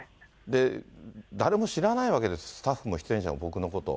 誰も知らないわけです、スタッフも出演者も僕のことを。